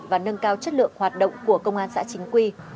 và nâng cao chất lượng hoạt động của công an xã chính quy